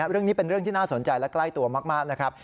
เรื่องนี้เป็นเรื่องที่น่าสนใจและใกล้ตัวมากนะครับ